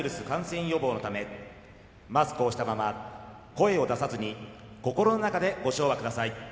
感染予防のためマスクをしたまま声を出さずに心の中でご唱和ください。